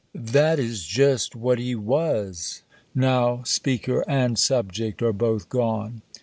That is just what he was. Now, speaker and subject are both gone.